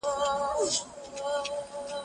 هره ورځ سبزیجات خورم؟